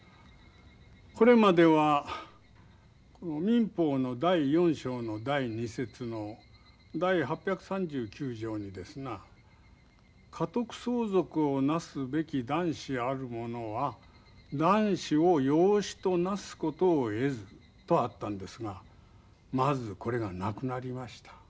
これまでは民法の第４章の第２節の第８３９条にですな家督相続をなすべき男子ある者は男子を養子となすことをえずとあったんですがまずこれがなくなりました。